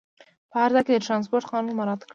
په هر ځای کې د ترانسپورټ قانون مراعات کړه.